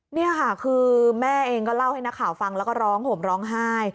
นี่ค่ะคือแม่เองเขาเล่าให้ข่าวฟังแล้วร้องผมร้องหาย